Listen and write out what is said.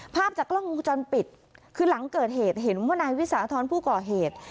ภาพจากกล้องวงจรปิดคือหลังเกิดเหตุเห็นว่านายวิสาธรณ์ผู้ก่อเหตุ